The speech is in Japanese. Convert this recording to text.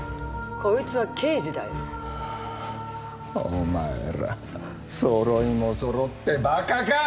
こいつは刑事だよお前ら揃いも揃ってバカか！